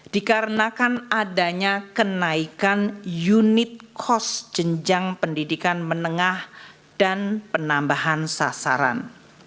dikarenakan adanya kenaikan unit cost jenjang pendidikan menengah dan penambahan sasaran